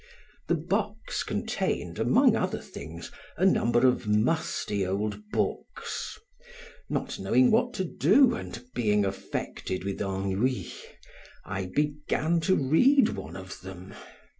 The box contained, among other things, a number of musty old books. Not knowing what to do and being affected with ennui, I began to read one of them.